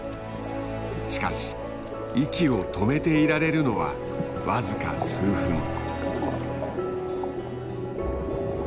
しかし息を止めていられるのはわずか数分。